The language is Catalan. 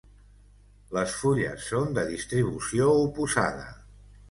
Les fulles són de distribució oposada.